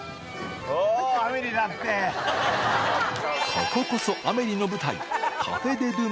こここそ『アメリ』の舞台